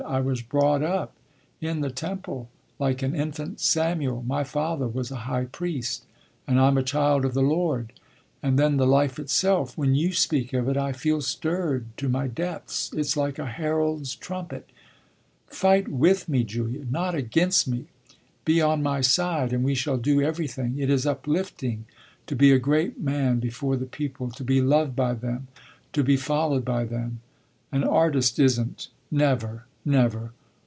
I was brought up in the temple like an infant Samuel; my father was a high priest and I'm a child of the Lord. And then the life itself when you speak of it I feel stirred to my depths; it's like a herald's trumpet. Fight with me, Julia not against me! Be on my side and we shall do everything. It is uplifting to be a great man before the people to be loved by them, to be followed by them. An artist isn't never, never.